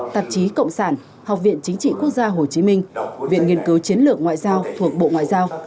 tạp chí cộng sản học viện chính trị quốc gia hồ chí minh viện nghiên cứu chiến lược ngoại giao thuộc bộ ngoại giao